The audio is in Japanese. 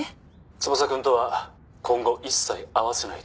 「翼くんとは今後一切会わせないと」